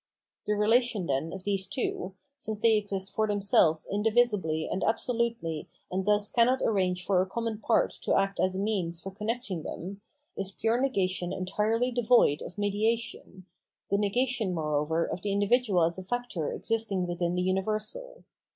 The relation, then, of these two, since they exist for themselves indivisibly and absolutely and thus cannot arrange for a common part to act as a means for con necting them, is pure negation entirely devoid of media tion, the negation, moreover, of the individual as a factor existing within the universal.